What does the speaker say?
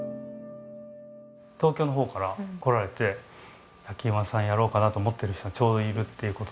東京の方から来られて焼き芋屋さんやろうかなと思ってる人がちょうどいるっていう事で。